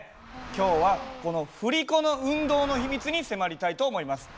今日はこの振り子の運動の秘密に迫りたいと思います。